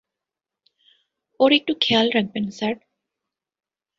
ওর একটু খেয়াল রাখবেন, স্যার।